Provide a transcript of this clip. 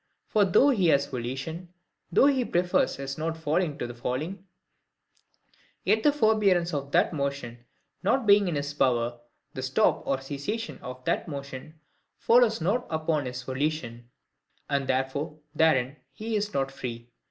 For though he has volition, though he prefers his not falling to falling; yet the forbearance of that motion not being in his power, the stop or cessation of that motion follows not upon his volition; and therefore therein he is not free.